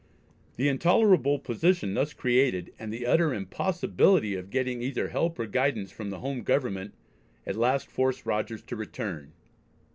The intolerable position thus created, and the utter impossibility of getting either help or guidance from the home Government, at last forced Rogers to return.